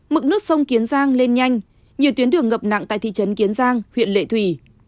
mực nước sông kiến giang lên nhanh nhiều tuyến đường ngập nặng tại thị trấn kiến giang huyện lệ thủy